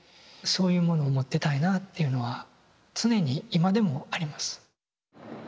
そういうものを持ってたいなあっていうのは常に今でもあります。